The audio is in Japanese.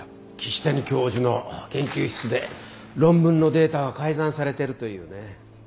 岸谷教授の研究室で論文のデータが改ざんされているというね。